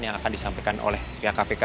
yang akan disampaikan oleh pihak kpk